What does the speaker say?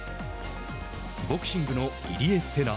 ボクシングの入江聖奈。